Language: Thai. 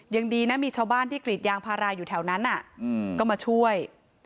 ยังดีนะมีชาวบ้านที่กรีดยางพาราอยู่แถวนั้นก็มาช่วย